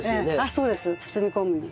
そうです包み込むように。